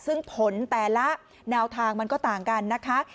ซึ่งผลแต่ละแนวทางมันก็ต่างกันนะคะ